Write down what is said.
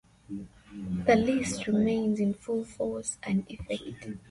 The lease remains in full force and effect.